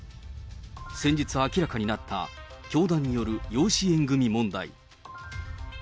先日明らかになった、教団による養子縁組問題。